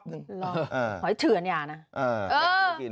หอยเถือนอย่างนั้น